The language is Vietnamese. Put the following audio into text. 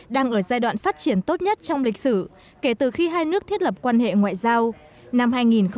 đang ở giai đoạn phát triển tốt nhất trong lịch sử kể từ khi hai nước thiết lập quan hệ ngoại giao